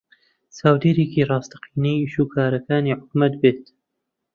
چاودێرێکی ڕاستەقینەی ئیشوکارەکانی حکوومەت بێت